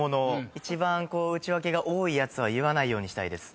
一番ウチワケが多いやつは言わないようにしたいです。